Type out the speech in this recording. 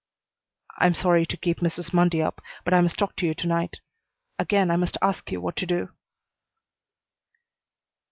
"I'm sorry to keep Mrs. Mundy up, but I must talk to you tonight. Again I must ask you what to do."